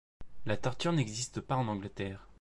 La torture n’existe pas en Angleterre.